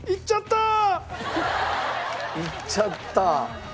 「いっちゃったー！」。